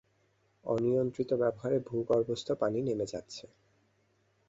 অনিয়ন্ত্রিত ব্যবহারে ভূগর্ভস্থ পানি নেমে যাচ্ছে।